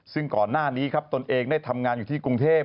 ซึ่งก่อนหน้านี้ครับตนเองได้ทำงานอยู่ที่กรุงเทพ